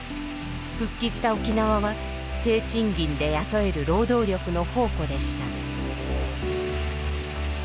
復帰した沖縄は低賃金で雇える労働力の宝庫でした。